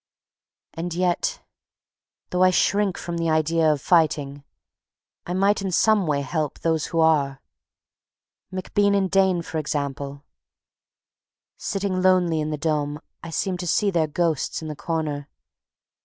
And yet, though I shrink from the idea of fighting, I might in some way help those who are. MacBean and Dane, for example. Sitting lonely in the Dôme, I seem to see their ghosts in the corner.